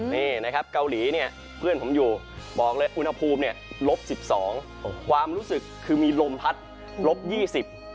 นี่นะครับเกาหลีเนี่ยเพื่อนผมอยู่บอกเลยอุณหภูมิเนี่ยลบสิบสองความรู้สึกคือมีลมพัดลบยี่สิบ